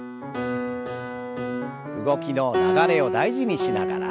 動きの流れを大事にしながら。